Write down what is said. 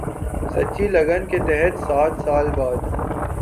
سچی لگن کے تحت سات سال بعد